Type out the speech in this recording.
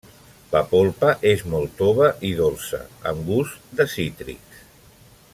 La polpa és molt tova i dolça amb gust de cítrics.